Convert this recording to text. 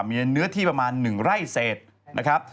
มีเนื้อที่ประมาณ๑ไร่เศษนะครับ